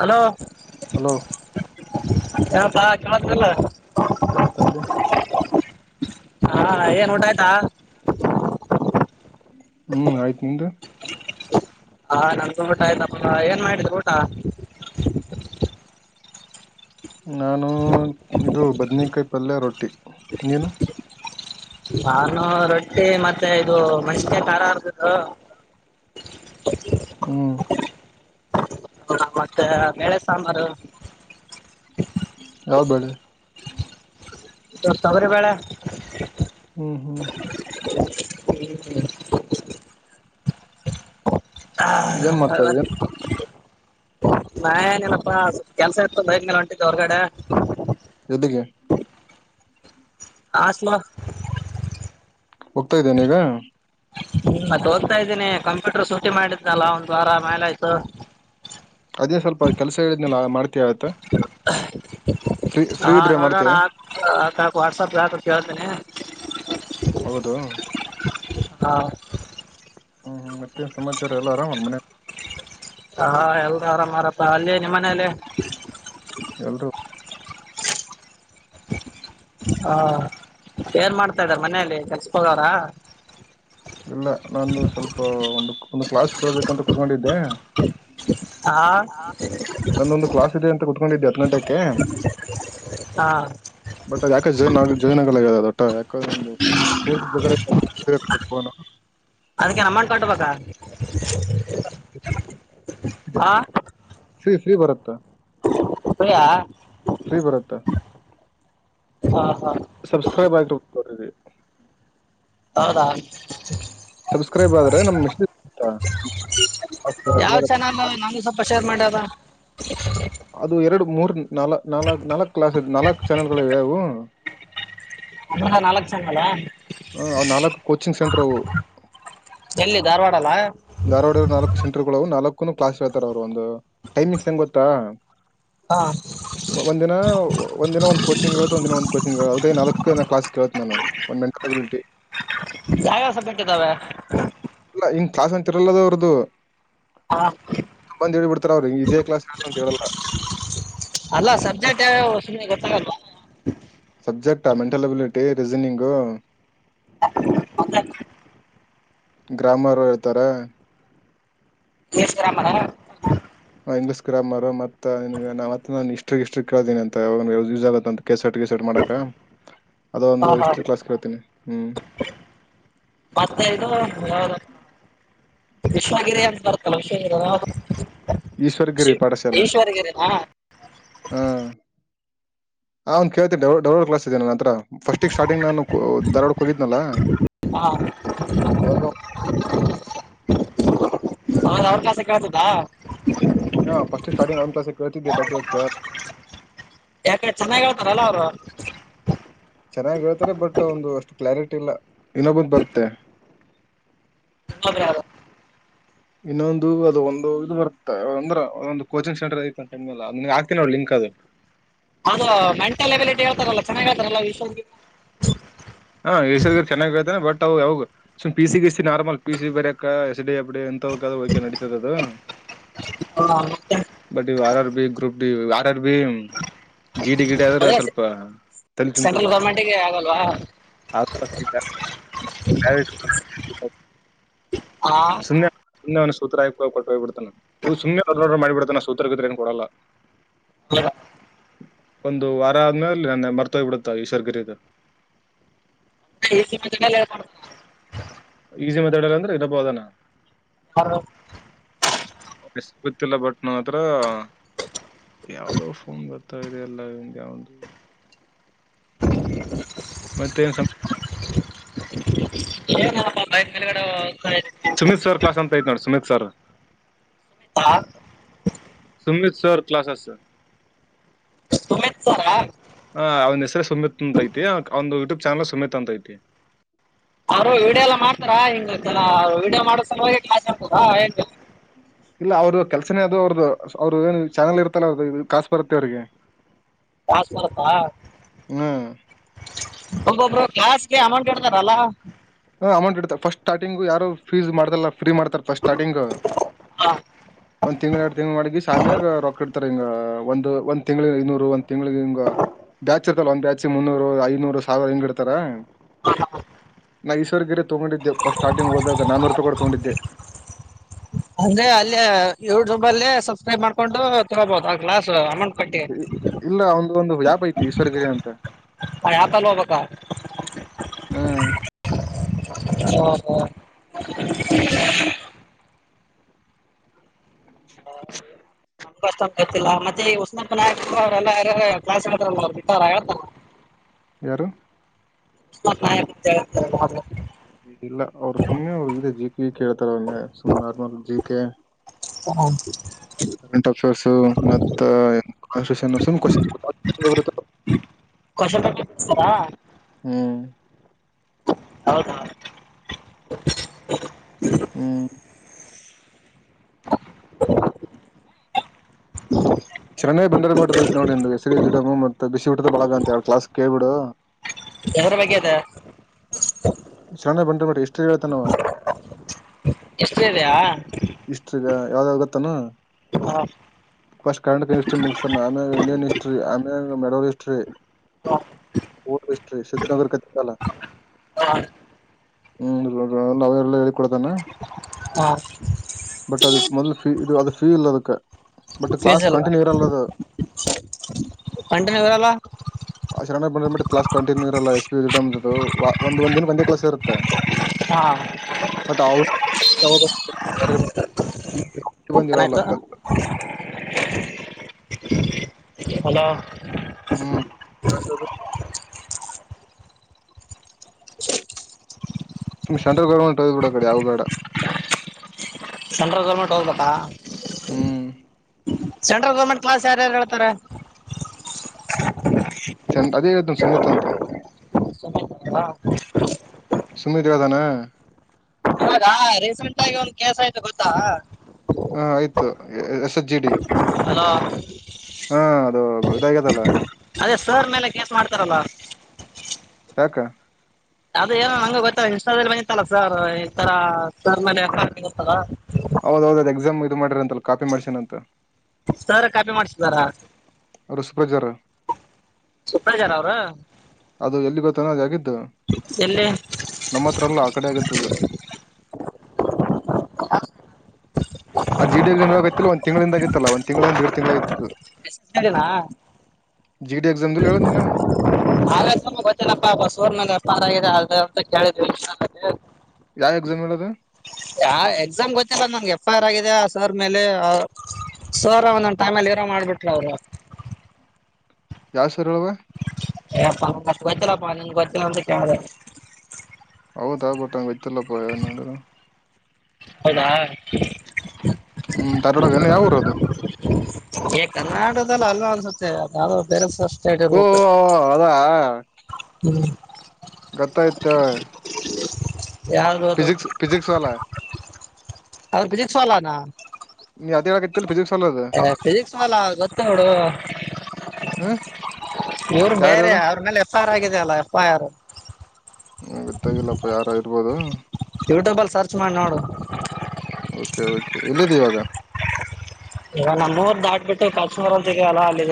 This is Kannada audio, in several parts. ಹಲೋ [inaudible] ಹಲೋ ಹಾ ಕೇಳತಲ್ಲ [inaudible] ಕೇಳ್ತ್ದಲ್ಲಿ ಹಾ ಏನ್ ಊಟ ಆಯ್ತಾ [inaudible] ಹ್ಮ್ ಆಯ್ತು ನಿಮ್ದು ಹಾ ನಂದು ಊಟ ಆಯ್ತಪ್ಪ ಏನ್ ಮಾಡಿದರು ಊಟ [inaudible] ನಾನು ಇದು ಬದನೇಕಾಯಿ ಪಲ್ಯ ರೊಟ್ಟಿ ನೀನು ನಾನು ರೊಟ್ಟಿ ಮತ್ತೆ ಮತ್ತೆ ಇದು ಮೆಣಸಿಕಾಯಿ ಖಾರ ಆರ್ದದು ಹ್ಮ್ ಮತ್ತೆ ಬೇಳೆ ಸಾಂಬಾರು ಯಾವಬೇಡ ತಾವರಿ ಬೇಳೆ ಹ್ಮ್ ಹ್ಮ್ ಹಾ ಏನ್ ಹ ಮಾಡ್ತಾ ಇದ ನಾ ಏನೇನಪ್ಪಾ ಕೆಲ್ಸ ಇತ್ತು ಬಂಗಲ್ಲ ಹೊಂಟತ್ತು ಹೊರ್ಗಡೆ ಯಾತಕೆ ಆಸವಾ ಹೋಗ್ತಾ ಇದ್ದೇನೆ ಈಗ ಹ್ಮ್ ಹೋಗ್ತಿದೀನಿ ಕಂಪ್ಯೂಟರ್ ಸೂಚಿ ಮಾಡಿದ್ನಲ್ಲ ಒಂದ್ ವಾರ ಮೇಲಾಯ್ತು ಅದೇ ಸ್ವಲ್ಪ ಕೆಲ್ಸ ಹೇಳಿದ್ನಲ್ಲ ಮಾಡ ಫ್ರೀ [inaudible] ಫ್ರೀ ಹಾ ಇದ್ರೆ ನೋಡೋಣ ಮಾಡ್ತೀಯ ಆ ಆ ತಕ ವಾಟ್ಸಆಪ್ ಹಾಕ ಕೇಳ್ತೇನನೆ ಹೌದು ಹಾ ಹ್ಮ್ ಮತ್ತೆನ್ ಸಮಾಚಾರ ಎಲ್ಲ ಆರಾಮ್ ಒಂದ್ ಮನೆ ಹಾ ಎಲ್ ಆರಾಮ್ ಆರಪ್ಪ ಅಲ್ಲಿೇ ನಿಮ್ಮ ಮನೇಲಿ ಎಲ್ರು ಹ್ಮ [inaudible] ಹಾ ಏನ್ ಮಾಡ್ತಾ ಇದಾರೆ ಮನೆಯಲ್ಲಿ ಕಲ್ಸ್ಕೋಗವ್ರ ಇಲ್ಲ ನಾನು ಸ್ವಲ್ಪ ಒಂದು ಒಂದು ಕ್ಲಾಸ್ ಕೇಳ್ಬೇಕಂತ ಕುೂತ್ಕೊಂಡಿದ್ದೆ ಹಾ ಒಂದೊಂದು ಕ್ಲಾಸ್ ಇದೆ ಅಂತ ಕುೂತ್ಕೊಂಡಿದ್ಯ ಹ್ಮ ಬಟ್ ಅ ಯಾಕೆ ಜೈನ ಜೈ [unintelligible] ಯಾಕ ಹೋ ಅದಕೇನ್ ಅಮೌಂಟ್ ಕಟ್ಬೇಕಾ ಹಾ ಫ್ರೀ ಫ್ರೀ ಬರುತ್ತಾ ಾ ಫ್ರೀ ಬರುತ್ತಾ ಹಾ ಹಾ [inaudible] ಸಬ್ಸ್ಕ್ರೈಬ್ ಆಗ ಹೌದಾ ಸಬ್ಸ್ಕ್ರೈಬ್ ಆದ್ರೆ ನಮ್ಷ್ಟಾ ಯಾವ್ ಚೆನ ಅಲ್ಲ ನಾನು ಸ್ವಲ್ಪ ಶೇರ್ ಮಾಡ್ಯಾರ ಅದು ಎರಡು ಮೂರ್ ನಾಲ್ ನಾ ನಾಲ್ಕ್ ಕ್ಲಾಸ್ ನಾಲ್ಕ್ ಚಾನೆಲ್ಗಳಿವೆ ಅವು ಅ ನಾಲ್ಕು ಚಾನೆಲ್ ಆ ಹ ನಾಲ್ಕು ಕೋಚಿಂಗ್ ಸೆಂಟ್ರವು ಎಲ್ಲಿ ಧಾರವಾಡಲ್ಲ ಧಾರವಾಡ ನಾಲ್ಕು ಸೆಂಟರ್ಗಳುವು ನಾಲ್ಕು ಕ್ಲಾಸ್ ಹೇಳ್ತಾರ ಅವ್ರು ಒಂದು ಟೈಮಿಂಗ್ಸ್ ಹೆಂಗ್ ಗೊತ್ತಾ. ಹಾ ಒಂದಿನ ಒಂದ ದಿನ ಒಂದು ಕೋಚಿಂಗಗೆ ಹೇಳೆ ಒಂದ ದಿನ ಒಂದು ಕೋಚಿಂಗದ ನಲ್ಕ ಕ್ಲಸ್ ಕೇಳೆ ನ ಒ ಮೆಂಟ ಅಬಿಲಿಟಿ. ಯಾವ ಸಬ್ಜೆಕ್ಟ್ ಇದಾವೆ ಕಾಸ ಅಂತರಲ್ಲದ ಅವ್ರದು. ಹಾ [unintelligible] ಹೇಳಿ ಬಿಡ್ತಾರ ಅವ್ರಿ ಇದೇ ಕ್ಲಾಸ್ ಹೇಳ್ತಂತ ಹೇಳಲ್ಲ ಅಲ್ಲ ಸಬ್ಜೆಕ್ಟ್ ಯಾವ್ಯಾವ ಸುಮ್ಮಿ ಗೊತ್ತಾಗಲ್. Subject mental ability reasoning. ಮದ [inaudible] ಗ್ರಾಮರ್ ಹೇಳ್ತಾರ. [unintelligible] ಇಂಗ್ಲಿಷ್ ಗ್ರಾಮರ್ ಮತ್ತ ಇಷ್ಟ್ರ ಇಷ್ಟ ಕೇಳೋನಿ ಅಂತ ಯೂಸ್ ಆಗಂತ. ಕೆಸಟ್ ಗಸರ್ಟ್ ಮಾಡಕ ಅದ ಹಾ ಒಂದು ಹಾ ಹಿಸ್ಟ್ರಿ ಕ್ಲಾಸ್ ಕರತೀನಿ ಹ್ಮ್. ಮತ್ತೈದು ಅವ ವಿಶ್ವಗಿರಿ ಅಂತ ಬರ್ತಲ್ಲ ವಿಶ್ವಗಿರಿ. ಈಶ್ವರಗಿರಿ ಶಿವ್ ಪಾಠಶಾಲೆ ಈಶ್ವರಗಿರಿನಾ ಹಾ. ಹಾ ಒಂದ್ ಕೇಳ್ತೇನೆಡಡ್ಡ್ ಡಬಲ್ ಕ್ಲಾಸ್ ಇದೆ ನನ್ ಹತ್ರ. ಫಸ್ಟಿಗೆ ಸ್ಟಾರ್ಟಿಂಗ್ ನಾನು ದಧಾರ್ವಾಡಕ್ ಹೋಗಿದ್ನಲ್ಲ ಅವಾಗ ನನ್ [unintelligible] ಅವ್ರ ಕಲಸ ಕಳ್ತದಾ ಹಾ ಪಸ್ಟಿಕ್ ಸ್ಟಾರ್ಟಿಂಗ್ ಅಂದು ಕ್ಲಾಸ್ ಕೇಳತಿದ್ದೆ ಬಟ್ಟ ಕೇಳ ಯಾಕ ಚೆನ್ನಾಗ್ ಹೇಳ್ತಾರಲ್ಲ ಅವರು. ಚೆನ್ನಾಗಿ ಹೇಳ್ತಾರೆ ಬಟ್ ಒಂದು ಅಷ್ಟು ಕ್ಲಾರಿಟಿ ಇಲ್ಲ ಇನ್ನೊಬ್ಬಂದ ಬರುತ್ತೆ. ಇನ್ನೊಬ್ರಯರು ಇನ್ನೊಂದು ಅದು ಒಂದು ಇದು ಬರುತ್ತೆ ಅಂದ್ರೆ ಒಂದು ಕೋಚಿಂಗ್ ಸೆಂಟರ್ ಐ ಅಂತಲ್ಲ ಅಗೆ ಆಗ್ತನ ನೋಡ ಲಿಂಕ್ ಅದು. ಅದು ಮೆಂಟಲ್ ಎಬಿಲಿಟಿ ಹೇಳ್ತಾರಲ್ಲ ಚೆನ್ನಾಗ ಆತಾರಲ್ಲ ವಿಷ. ಹಾ ಯಶವರಿಗರ್ ಚೆನ್ನಾಗಿ ಹೇಳ್ತಾನೆ ಬಟ್. ಯಾವಾಗ ಸು ಸಿ ಗಸ್ ನಾರ್ಮಲ್ ಪಿ ಸಿ ಬರಕ ಎಸ್ ಡಿ ಎಬ್ಡಿ ಎಂತವು ಹಕೆ ನಡತದ ಅದು ಹ ಬ ವಾರ R B group D R R B ಜೀಡಿ ಗಿಡ ಆದ್ರೆ ಅದೇ ಸ್ವಲ್ಪ ತಲೆ ತಿಂತದ ಸೆಂಟ್ರಲ್ ಗೌರ್ಮೆಂಟಿಗೆ ಆಗಲ್ವಾ ಹ [unintelligible] ಹಾ ಸುಮ್ಮ್ನೆನ ಸತ್ರರ ಹ ಕೊಟ್ಟ ಹೋಗ್ಬ ಬಿಡ್ತ ಸುಮನೆರ ಮಾಡಿಬ ಬಿಡ್ತಾನ ಸತ್ರ ಏನ್ ಕೊಡೋಲ್ಲ ಹ [unintelligible] ಒಂದು ವಾರ ಆದ್ಮೇಲೆ ನನ್ನೆ ಮರ್ತೋಗ್ಬ ಬಿಡುತ್ತ ಈಶವರ್ಗಿರಿದು ಲ್ಲ ಮಾಡ [unintelligible] ಈಸಿ ಮಾತಾಡಲ್ಲ ಅಂದ್ರೆ ಇನ್ನೂಬ್ಬ ಹದಾನ ಹರು ಎಸ್ ಗೊತ್ತಿಲ್ಲ ಬಟ್ ನನ್ನತ್ರ ಯಾವ್ದೋ ಫೋನ್ ಗೊರ್ತ್ತ ಇದೆ ಎಲ್ಲಮ್ಗೆ ಯಾವ್ದು. ಮತ್ತೇನು ಸಮ. ಏನ ಬಕ್ ಮಳಗಡೆ [unintelligible] ಸುಮಿತ್ ಸರ್ ಕ್ಲಾಸ್ ಅಂತ ಐತ್ ನೋಡ್ ಸುಮಿತ್ ಸರ್. ಹಾ ಸುಮತ್ ಸರ್ ಕ್ಲಾಸ ಸ ಸುಮಿತ್ ಸರ ಹ ಅವನ ಹೆಸರ ಸುಮ್ಮೆತ್ ಅಂತ ಐತಿ ಅವಂದು ಯುಟ್ಯೂಬ್ ಚ ಸುಮಿತ್ ಅಂತ ಐತಿ ಅವರು ವೀಡಿಯೋ ಎಲ್ಲ ಮಾಡ್ತಾರಾ ಹಿಂಗ ಜನ ವೀಡಿಯೋ ಮಾಡೋಸ ಹೋಗ ಮಾ ಅನ್ತದಾ ಇಲ್ಲ ಅವ್ರರು ಕೆಲ್ಸನೇ ಅದು ಅವ್ರ್ದ ಅವ್ರು ಏನು ಚಾನಲ್ ಇರ್ತ್ತಲ್ಲ ಅವ್ರ ಕಾಸು ಬರುತ್ತೆ ಅವ್ರಿಗೆ ಕಾಸು ಬರುತ್ತಾ ಹ್ಮ್ ಒಬ್ಬೊಬ್ರು ಕಾಸಗೆ ಅಮೌಂಟ್ ಇಡ್ತಾರಲ್ಲ ಹ ಅಮೌಂಟ್ ಇಡತ ಫಸ್ಟ್ ಸ್ಟಾರ್ಟಿಂಗ್ ಯಾರು ಫೀಸ್ ಮಾಡ್ದಲ್ಲ ಫ್ರೀ ಮಾಡ್ತಾರ‌ ಪಸ್ಟ ಸ್ಟಾರ್ಟಿಂಗ್ ಹಾ. ಒಂದ್ ತಿಂಗಳು ಎರಡು ತಿಂಗಂಗಳು ಮಾಡಗೆಸ ಆಮ್ಯಾಗ ರೊಕ್ ಇಡ್ತಾರೆ ಹಿಂಗ ಒಂದ್ ಒಂದ್ ತಿಂಗಳಿ ಇನ್ನೂರು ಒಂದ್ ತಿಂಗಳಗ ಹಿಂಗ ಬ್ಯಾಚ್ ಇರ್ತಲ್ಲ ಒಂದ್ ಬ್ಯಾಚ್ ಮುನ್ನೂರು ಐನೂರು ಸಾವಿರ ಹಿಂಗ್ ಇಡ್ತಾರ ಹ ಮೈಸೂರ್ ಗಿರಿ ತಗೊಂಡಿದ್ದೆ ಪಸ್ಟ ಸ್ಟಾರ್ಟಿಂಗ್ ಹೋದಾಗ ನಾನೂರು ರೂಪಾಯಿ ಕೂಟ್ಟ ತಗೊಂಡಿದ್ದೆ ಅಂದ್ರೆ ಅಲ್ಲೇ ಯೂಟ್ಯೂಬ್ ಅಲ್ಲೇ ಸಬ್ಸ್ಕ್ರೈಬ್ ಮಾಡ್ಕೊಂಡು ತಗೋಬಹದು ಆ ಕ್ಲಾಸ್ ಅಮ ಕಟ್ಟಿ ಇಲ್ಲ ಅವ್ನ್ದು ಒಂದು ಆಪ ಐತಿ ಈಶವರ್ರಿಗೆ ಅಂತ ಹ ಆಪಯಲ್ಲಿ ಹೋಗಬೇಕಾ ಹ್ಮ್ ಹ್ಮ ಹ್ಮ [unintelligible] ನಮಗ ಅಷ್ಟ ಗೊತ್ತಿಲ್ಲ ಮತ್ತೆ ಈ ಉಸ್ನಾಪ ನಾಯಕ್ ಅವರ ಎಲ್ಲ ಯಾರರ ಕ್ಲಾಸ್ ಹೇಳುತ್ತಿರಲ್ಲ ಬಿಟ್ಟಾರ ಹೇಳ್ತಾರ [unintelligible] ಯಾರು ಉಸನ್ನಪ್ಪ ನಾಯಕಂತ ಹೇಳ್ತಿರಲ್ಲ ಇಲ್ಲ ಅವ್ರು ಸುಮ್ಮ್ನೆ ಅವ್ರ ಇದೆ ಜಿಕ ವಿ ಕೆ ಹೇಳ್ತಾರ ಸುಮ್ಮ್ ನಾರ್ಮಲ್ ಜಿ ಕೆ ಹಾಕ್ [unintelligible] ಕರೆಂಟ್ ಅಫೇರ್ಸು ಮತ್ತ [unintelligible] ಕೂಷನ ಪೇಪರ್ ಬೀಡಸ್ತರಾ ಹ್ಮ್ ಹೌದೌದ ಹ್ಮ್ [inaudible] ಶರಣಯ್ಯ ಬಂಡಾರಿ ಮಟ್ಟದ ಐತಿ ನೋಡಿ ಹೆಸರಿ ಜುಡಮ ಮತ್ತ ಬಿಸಿ ಬಿಟ್ಟದ ಬಳಗ ಅಂತ ಕ್ಲಾಸ್ ಕೇಳಿ ಬಿಡು ಎದರ ಬಗ್ಗೆ ಅದ ಶರಣಯ್ಯ ಬಂಡಾರ ಮಟ ಇಷ್ಟರಿ ಹೇಳೇತನಾವ ಇಷ್ಟರಿ ಇದೆಯಾ ಇಷ್ಟ್ರಯಿದ ಯಾವ್ದಾವ ಗೂತ್ತಾನ ಫಸ್ಟ್ ಕರ್ನಾಟಕ ಹಿಸ್ಟ್ರಿ ಮುಗಸನಾ ಆಮ್ಯಾಗ ಇಂಡಿಯನ್ ಹಿಸ್ಟ್ರಿ ಆಮ್ಯಾಗ ಮೆಡೋಲ್ ಹಿಸ್ಟ್ರಿ ಕ್ಷತ್ರನಗರ ಕಥಲ್ಲ [unintelligible] ಹ್ಮ್ ಇವಾಗ ಅವಲ್ಲ ಹೇಳಿ ಕೊಡತಾನೆ ಬಟ್ ಅದು ಮೊದಲ್ ಫೀ ಇದು ಅದು ಫೀ ಇಲ್ಲ ಅದಕ್ಕ ಬಟ್ ಫೀಸ್ ಕ್ಲಾಸ್ ಅಲ್ವಾ ಕಂಟಿನ್ಯೂ ಇರಲ್ಲದು ಕಂಟಿನ್ಯೂ ಇರಲ್ಲ ಕ್ಲಾಸ್ ಕಂಟಿನ್ಯೂರಿಲ್ಲ ಒಂದ ಒಂದ್ ದಿನ ಒಂದೇ ಕ್ಲಾಸ್ ಇರುತ್ತ ಹಾ [unintelligible] [inaudible] ಬ ಏನಾಯ್ತು ದತ [inaudible] ಅಲೋ ಹ್ಮ್ ಕೇಳಸಲತ್ತದಿಲ್ಲ ಸುಮ್ ಸೆಂಟ್ರಲ್ ಗೌರ್ಮೆಂಟ್ ಹೋಗಿ ಬಿಡ ಅಕಡಿ ಯಾವು ಬೇಡ ಸೆಂಟ್ರಲ್ ಗೌರ್ಮೆಂಟ್ ಹೋಗಬೇಕಾ ಹ್ಮ್ ಸೆಂಟ್ರಲ್ ಗೌರ್ಮೆಂಟ್ ಕ್ಲಾಸ್ ಯಾರ ಯಾರ ಹೇಳ್ತಾರ ಚ ಅದೇ ಹೇಳ್ತೀನಿ ಸುಮಿತ ಅಂತ ಹ [inaudible] ಸುಮಿತ್ ತಾನ ಇವಾಗಾ ರೀಸೆಂಟ್ ಆಗಿ ಒಂದ ಕೇಸ ಆಯ್ತು ಗೊತ್ತಾ [inaudible] ಹಾ ಆಯ್ತು S H G D hello ಹಾ ಅದು ಇದ ಆಗದಲ್ಲ ಅದೇ ಸರ್ ಮೇಲೆ ಕೇಸ್ ಮಾಡ್ತಾರಲ್ಲ ಹಕ್ಕ [inaudible] ಅದ ಏನೋ ಹಂಗ ಗೊತ್ತ ಇನ್ಸ್ಟಾದಲ್ಲಿ ಬಂದತ್ತಲ್ಲ ಸರ್ ಈಥರ ಸ ಮೇಲೆ ಗತ್ತ ಹೌದೌದದು ಎಕ್ಸಾಮ್ ಇದು ಮಾಡಿರ ಅಂತಲ್ ಕಾಪಿ ಮಾಡ್ಸಿನನ ಅಂತ ಸರ ಕಾಪಿ ಮಾಡ್ಸಿದಾರ ಋಷಭಜಾರ ಸುಪ್ರಜಾರ್ ಅವರು ಅದು ಎಲ್ಲಿ ಗೊತ್ತನ ಆಗಿದ್ದು ಎಲ್ಲಿ ನಮ್ಮತ್ರ ಅತ್ರಲ್ಲು ಆ ಕಡೆ [inaudible] ಆ ಜಿಡಿ ಜನ ಆತ್ತತ್ತು ಒಂದ ತಿಂಗಳಿಂದ ಆಗತ್ತಲ್ಲಾ ಒಂದ ತಿಂಗಳಿಂದಂದ ಎರಡ್ ತಿಂಗಂಗಳ ಆಗಿತ್ತತ್ತು ನಾ [inaudible] ಎಕ್ಸಾಮ್ ಹೇಳ ನೀನು ಹಾಗ ಗೊತ್ತನಪ್ಪ ಬಸೂರ್ ಮೇಲೆ ಪಾರಾಗಿದೆ ಅ ಕೇಳಿದ್ರ ಯಾವ ಎಕ್ಸಾಮ್ ಹೇಳದ ಯ ಎಕ್ಸಾಮ್ ಗೊತ್ತಿಲ್ಲ ನಂಗೆ ಎಫ್ ಐ ಆರ್ ಆಗಿದೆ ಸರ್ ಮೇಲೆ ಸರ್ ಒಂದೊಂದು ಟೈಮ್ಲ್ಲಿ ಇರೋ ಮಾಡಿಬಿಟ್ರಅವರು ಯಾವಸ್ [inaudible] ಹಪ್ಪ ಕೊಚ್ಚಲ ಪ ನಿಂ ಕೊಚ್ಚಲ ಅಂತ ಕಾಲ [inaudible] ಹೌದ ಆಗ್ಬಟ್ಟಂಗ ಗತ್ತಲ್ಲಪ್ಪ ಏನಂದ್ರರು ಹೌದಾ ಹ್ಮ್ ರವಾಡಗನೆ ಯಾವರ ಅದು ಲ್ಲ ಅಲ್ ಅನ್ಸುತ್ತೆ ಅದ ಬೇರೆಸ ಅಷ್ಟರ್ಬು ಓ ಅದಾ ಹ್ಮ ಗೊತ್ತಾಯ್ತ ಯಾವ್ದು ಅದು ಫಜಿಸ್ ಫಜಕ್ಸ್ ವಾ ಹ ಅವ್ರ ಬಜಿಕ್ ಸಾಲಾನ ಅೇಳಗದಲ್ಲಿಫಿಸ್ ಫಿಸಿಕ್ಸ್ ಮಲ ಗೊತ್ತ ನೋಡು ಹ್ಮ್ ಇವರು ಯಾರ ಬೇರೆ ಹೇಳ ಅವ್ರ ಮೇಲೆ ಎಫ್ ಐ ಆರ್ ಆಗಿದ ಅಲ್ಲ ಎಫ್ ಐ ಆರ್ ಗೊತ್ತಾಗಿಲ್ಲಪ್ಪ ಯಾರ ಇರ್ಬೋದು ಯೂಟ್ಯೂಬಲ್ಲಿ ಸರ್ಚ್ ಮಾಡಿ ನೋಡು ಎಲ್ಲಿದೆ ಇವಾಗ ಈಗ ನಮೂಊರ್ ದಾಟ್ ಬಿಟ್ಟು ಕಾಚಮರ ಅಂತಗ ಅಲ್ಲ ಅಲ್ಲ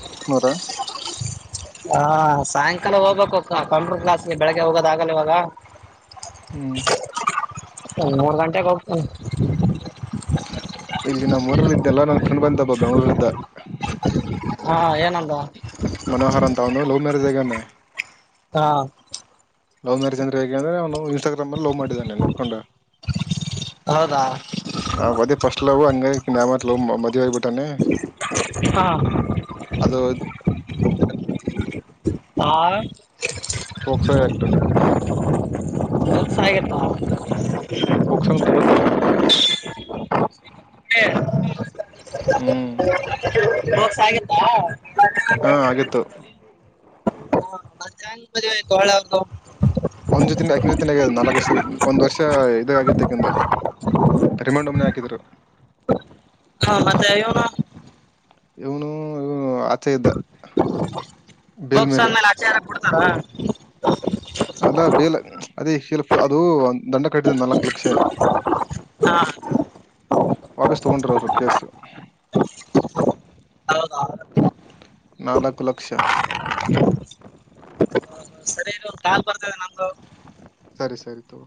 ಪ್ಪತ್ತಮೂರು ಹಾ ಸಾಯಂಕಾಲ ಹೋಗ್ಬೇಕು ಕಂಪೂರ್ ಕ್ಲಾಸ್ಗೆ ಬೆಳಗ್ಗೆ ಹೋಗೋದ ಆಗಲ್ಲ ಇವಾಗ ಹ್ಮ್ ಮೂರ್ ಗಂಟೆೆಗೆ ಹೋಗ್ತ ಇಲ್ಲಿ ನಮ್ಮ್ ಊರಲ್ಲ ಇದೆಲ್ಲ ನನ್ ಫ್ರೆಂಡ್ ಬಂದಬ ಬೆಂಗ್ಳೂರ್್ದ ಹಾ ಏನಂಬ ಅಂತ ಅವನು ಲವ್ ಮ್ಯಾರೇಜ್ ಆಗ್ಯಾನ ಹಾ ಲವ್ ಮ್ಯಾರೇಜ್ ಅಂದ್ರೆ ಹೇಗೆ ಅಂದ್ರೆ ಅವನು ಇನ್ಸ್ಟಾಗ್ರಾಮ್ಲ್ಲಿ ಲವ್ ಮಾಡಿದ್ದಾನೆ ನೋಡ್ಕೊಂಡು ಹೌದಾ ಹ ಬೆ ಪಸಲವ ಅಂಗ ನ ಮೆ ಭಟ್ಟ ಹಾ ಅದು [inaudible] ಹಾ [inaudible] ಕ್ಸಾಯ ಆಕ್ಟ ಸಸಾಯತ ೋಗಸಂಗಟ ಕೊತ್ತತಲ್ಲ ಹ್ಮ ರಕ್ಸ ಆಗತ್ತಾ ಹಾ ಆಗಿತ್ತು ಹ ಅ ಚನ್ ಮ ಕಳದು ಒಂದ್ ಜೊತೆಿನ ಯಕ ಜೊತೆಿನ ಆಗ ನಾಲ್ಕು ಒಂದ್ ವರ್ಷ ಇದ ಆಗತ್ತಕಂದು ಅರಿಮಾಂಡೊಮ್ಮ್ನೆ ಹಾಕಿದರು ಹಾ ಮತ್ತೆ ೋನ ಇನು ಬೇಲ್ ಮೇಲೆ ತೋಕ್ಸಂದ್ಮೇಲೆ ಆಚಾರ ಬಿಡ್ತಾರ ಅಲ್ಲ ಬೇಲ ಅದೇ ಶಿಲ್ಫ ಅದು ದಂಡ ಕಟ್ಟಿದೆ ನಾಲ್ಕು ಲಕ್ಷ ಹಾ ವಾಪೀಸ್ ತಗೊಂಡ್ರ ಅವರು ಕೇಸು ಹೌದಾ ನಾಲ್ಕು ಲಕ್ಷ ಾಕ ಬರ್ತದೆ ನಮ್ದು ಸರಿ ಸರಿ ತಗ